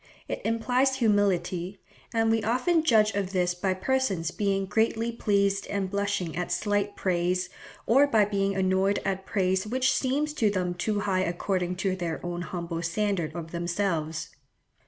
It implies humility, and we often judge of this by persons being greatly pleased and blushing at slight praise, or by being annoyed at praise which seems to them too high according to their own humble standard of themselves.